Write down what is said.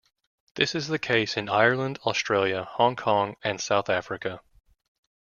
This is the case in Ireland, Australia, Hong Kong and South Africa.